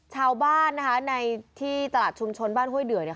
ชาวบ้านนะคะในที่ตลาดชุมชนบ้านห้วยเดือ